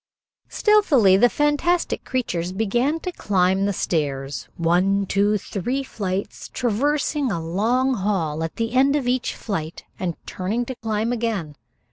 Stealthily the fantastic creatures began to climb the stairs, one, two, three flights, traversing a long hall at the end of each flight and turning to climb again.